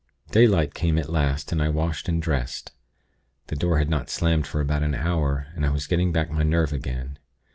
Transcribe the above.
"Daylight came at last, and I washed and dressed. The door had not slammed for about an hour, and I was getting back my nerve again.